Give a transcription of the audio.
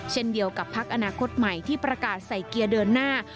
เช่นเดียวกับพักอนาคตใหม่ที่ประกาศใส่เกียร์เดินหน้า